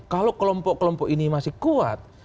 kalau kelompok kelompok ini masih kuat